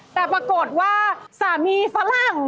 แต่ปรากฏว่าสามีฝรั่ง